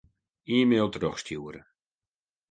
E-mail trochstjoere.